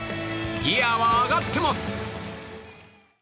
ギヤは上がっています。